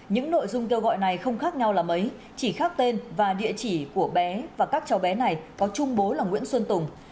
những nội dung kêu gọi này không khác nhau là mấy chỉ khác tên và địa chỉ của bé và các cháu bé này có chung bố là nguyễn xuân tùng